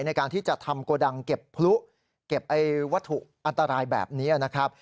ในการที่จะทำโกดังเก็บพลุเก็บวัตถุอันตรายแบบนี้นะครับ